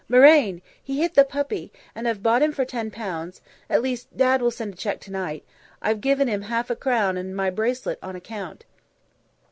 "Marraine, he hit the puppy, and I've bought him for ten pounds; at least, Dad will send a cheque tonight. I've given him half a crown and my bracelet on account."